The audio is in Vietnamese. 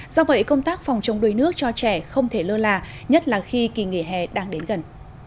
do vậy công tác phòng chống đuối nước cho trẻ không thể lơ là nhất là khi kỳ nghỉ hè đang đến gần